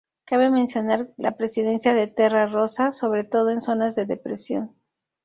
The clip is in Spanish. Cabe mencionar la presencia de "terra rosa", sobre todo en zonas de depresión.